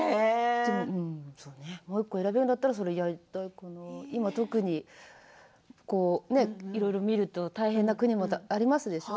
そうね、もう１個選べるんだったらやりたいこと今は特に見ると大変な国もありますでしょう？